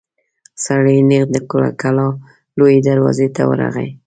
سړی نېغ د کلا لويي دروازې ته ورغی.